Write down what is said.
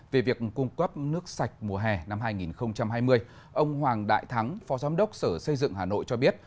về việc cung cấp nước sạch mùa hè năm hai nghìn hai mươi ông hoàng đại thắng phó giám đốc sở xây dựng hà nội cho biết